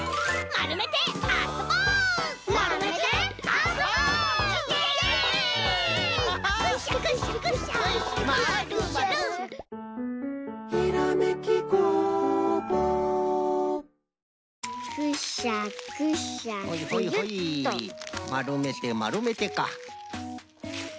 まるめてまるめてか。